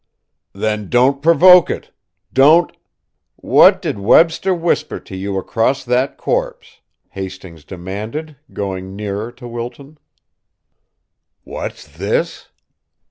"Then, don't provoke it. Don't " "What did Webster whisper to you, across that corpse?" Hastings demanded, going nearer to Wilton. "What's this?"